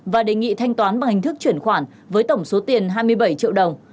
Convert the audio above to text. và đề nghị thanh toán bằng hình thức chuyển khoản với tổng số tiền hai mươi bảy triệu đồng